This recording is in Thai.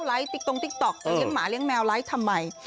ติ๊กตรงติ๊กต๊อกจะเลี้ยหมาเลี้ยแมวไลฟ์ทำไม